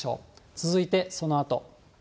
続いてそのあと。